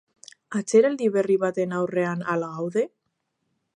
Atzeraldi berri baten aurrean al gaude?